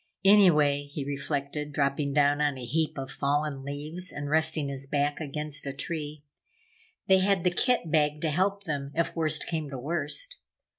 Anyway, he reflected, dropping down on a heap of fallen leaves and resting his back against a tree, they had the kit bag to help them, if worst came to worst.